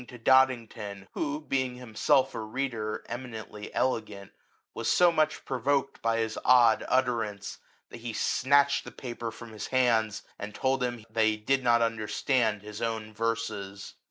once reading to Dodington, who, being him self a readereminently elegant, was so much provoked by his odd utterance, that he snatched the paper from his hands, and told him that he did not understand his own verses.